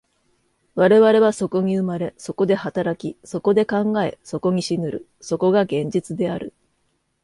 我々はそこに生まれ、そこで働き、そこで考え、そこに死ぬる、そこが現実である。